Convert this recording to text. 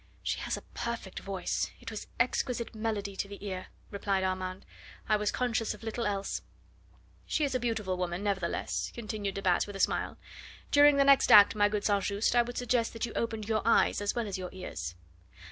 "She has a perfect voice it was exquisite melody to the ear," replied Armand. "I was conscious of little else." "She is a beautiful woman, nevertheless," continued de Batz with a smile. "During the next act, my good St. Just, I would suggest that you open your eyes as well as your ears."